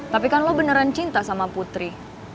tapi kan lo beneran cinta sama putri